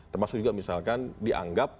termasuk juga misalkan dianggap